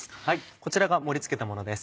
こちらが盛り付けたものです。